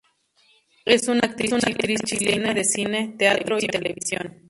Es una actriz chilena de cine, teatro y televisión.